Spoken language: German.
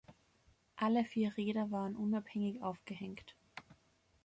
Alle vier Räder waren unabhängig aufgehängt.